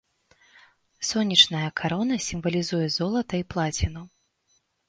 Сонечная карона сімвалізуе золата і плаціну.